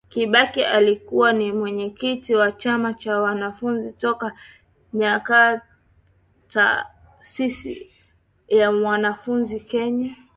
Kibaki alikuwa ni mwenyekiti wa chama cha wanafunzi toka Kenyataasisi ya wanafunzi Kenya